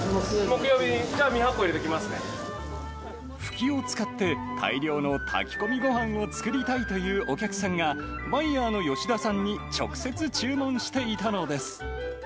木曜日に、じゃあ、２００個フキを使って、大量の炊き込みごはんを作りたいというお客さんが、バイヤーの吉田さんに直接注文していたのです。